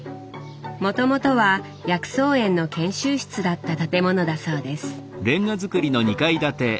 もともとは薬草園の研修室だった建物だそうです。